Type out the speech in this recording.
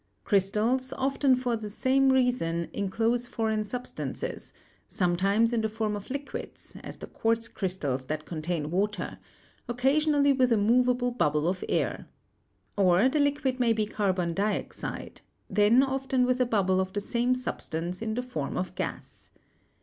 Crystals, often for the same reason, enclose foreign sub stances, sometimes in the form of liquids, as the quartz crystals that contain water, occasionally with a movable bubble of air. Or the liquid may be carbon dioxide, then often with a bubble of the same substance in the form of gas.